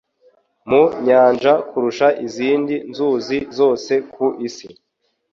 mu nyanja kurusha izindi nzuzi zose ku isi,